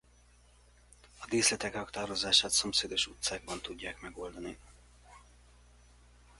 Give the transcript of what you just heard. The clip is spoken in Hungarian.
A díszletek raktározását szomszédos utcákban tudják megoldani.